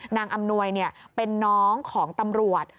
อำนวยเป็นน้องของตำรวจ